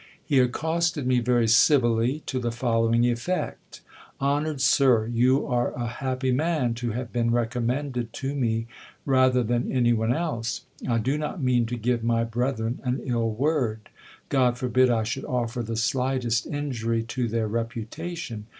He accosted me very civilly, to the following effect : Honoured sir, you are a happy man to have been recommended to me rather than any one else. I do not mean to give my brethren an ill word : God forbid I should offer the slightest injury to their reputation